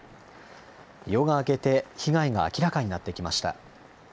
夜が明けて被害が明らかになってきました。